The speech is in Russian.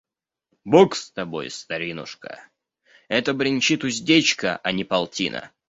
– Бог с тобой, старинушка! Это бренчит уздечка, а не полтина».